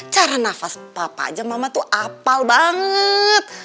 cara nafas papa ajang mama tuh apal banget